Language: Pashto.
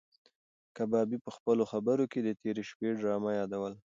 کبابي په خپلو خبرو کې د تېرې شپې ډرامه یادوله.